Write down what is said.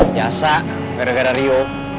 biasa gara gara rio